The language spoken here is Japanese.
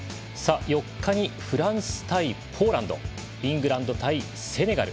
４日にフランス対ポーランドイングランド対セネガル。